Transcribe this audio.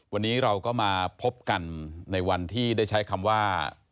วันนี้เราก็มาพบกันในวันที่ได้ใช้คำว่า